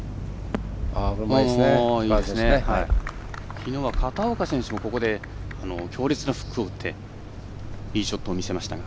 きのうは片岡選手もここで強烈なフックを打っていいショットを見せましたが。